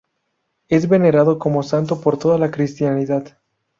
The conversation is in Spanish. Es venerado como santo por toda la cristiandad.